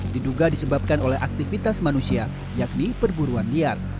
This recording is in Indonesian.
diduga disebabkan oleh aktivitas manusia yakni perburuan liar